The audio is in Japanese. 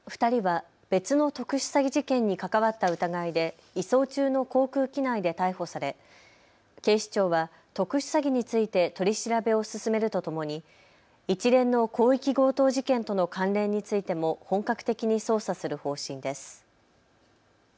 ２人は別の特殊詐欺事件に関わった疑いで移送中の航空機内で逮捕され警視庁は特殊詐欺について取り調べを進めるとともに一連の広域強盗事件との関連についても本格的に捜査する方針です。